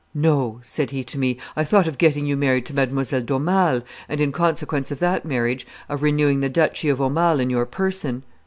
'No,' said he to me, 'I thought of getting you married to Mlle. d'Aumale, and, in consequence of that marriage, of renewing the Duchy of Aumale in your person.